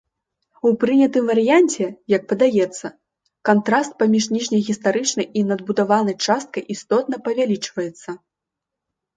У прынятым варыянце, як падаецца, кантраст паміж ніжняй гістарычнай і надбудаванай часткай істотна павялічваецца.